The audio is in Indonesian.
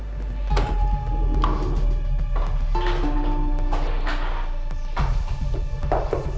aku mau ke rumah